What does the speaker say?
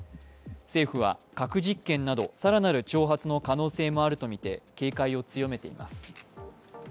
政府は核実験など更なる挑発の可能性もあるとみて、警戒を強めています。